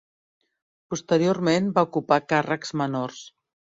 Posteriorment va ocupar càrrecs menors.